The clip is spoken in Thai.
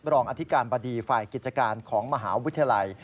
รองอธิการบดีฝ่ายกิจการของมหาวิทยาลัย